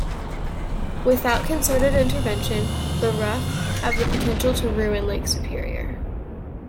Without concerted intervention, the ruffe have the potential to ruin Lake Superior.